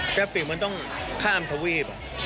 แทรฟฟิคมันต้องพร่ำทวีป